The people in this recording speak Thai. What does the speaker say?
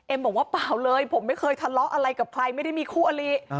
บอกว่าเปล่าเลยผมไม่เคยทะเลาะอะไรกับใครไม่ได้มีคู่อลิ